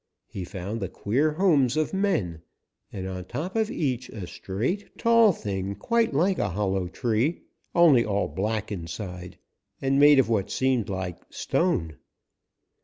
He found the queer homes of men and on top of each a straight, tall thing quite like a hollow tree, only all black inside and made of what seemed like stone.